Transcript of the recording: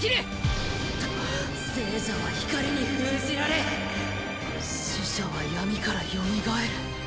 ユウオウ：生者は光に封じられ死者は闇からよみがえる。